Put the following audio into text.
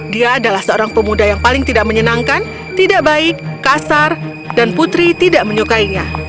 dia adalah seorang pemuda yang paling tidak menyenangkan tidak baik kasar dan putri tidak menyukainya